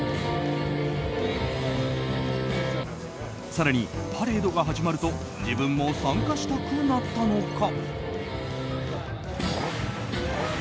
更にパレードが始まると自分も参加したくなったのか。